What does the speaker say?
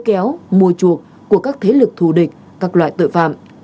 cơ kéo mùa chuộc của các thế lực thù địch các loại tội phạm